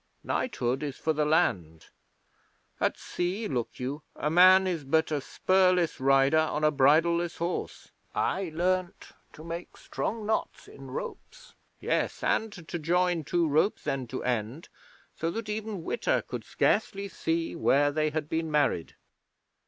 Knighthood is for the land. At sea, look you, a man is but a spurless rider on a bridleless horse. I learned to make strong knots in ropes yes, and to join two ropes end to end, so that even Witta could scarcely see where they had been married.